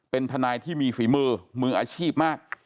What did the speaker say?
เป็นทนายที่มีฝีมือมืออาชีพมาก